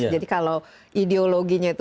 jadi kalau ideologinya itu